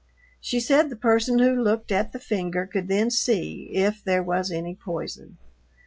She said the person who looked at the finger could then see if there was any poison.